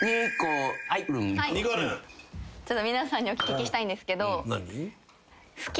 ちょっと皆さんにお聞きしたいんですけど。